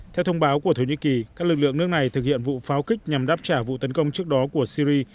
theo thông báo của thổ nhĩ kỳ các lực lượng nước này thực hiện vụ pháo kích nhằm đáp trả vụ tấn công trước đó của syri